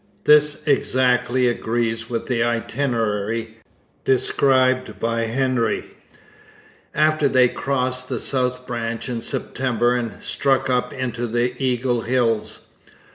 This exactly agrees with the itinerary, described by Hendry, after they crossed the south branch in September and struck up into the Eagle Hills.